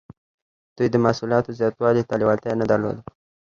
دوی د محصولاتو زیاتوالي ته لیوالتیا نه درلوده.